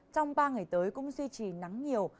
trong ba ngày tới cũng duy trì nắng nhiều